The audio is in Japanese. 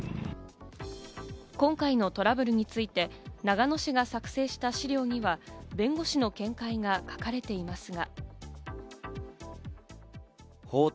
今回のトラブルについて、長野市が作成した資料には弁護士の見解が書かれていますが。